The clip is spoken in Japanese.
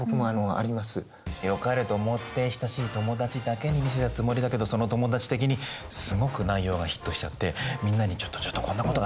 よかれと思って親しい友達だけに見せたつもりだけどその友達的にすごく内容がヒットしちゃってみんなに「ちょっとちょっとこんなことがあったらしいよ」。